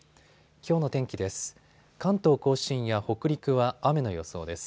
きょうの天気です。